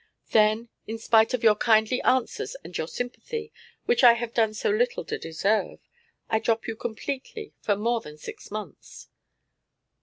Then, in spite of your kindly answers and your sympathy, which I have done so little to deserve, I drop you completely for more than six months.